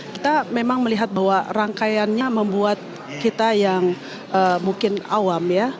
kita memang melihat bahwa rangkaiannya membuat kita yang mungkin awam ya